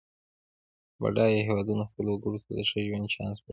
بډایه هېوادونه خپلو وګړو ته د ښه ژوند چانس برابروي.